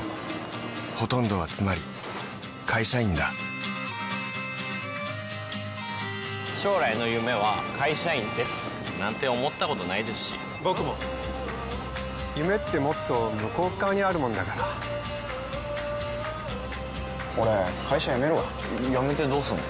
このあと、１８番、将来の夢は会社員です、なんて思ったことないですし僕も夢ってもっと向こう側にあるものだからオレ、会社辞めるわやめてどうすんの？